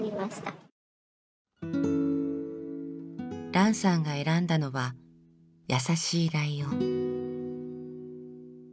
ランさんが選んだのは「やさしいライオン」。